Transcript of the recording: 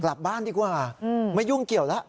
กลับบ้านดีกว่าไม่ยุ่งเกี่ยวแล้ว